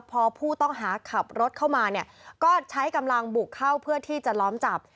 พอผู้ต้องหาขับรถเข้ามาเนี่ยก็ใช้กำลังบุกเข้าเพื่อที่จะล้อมจับ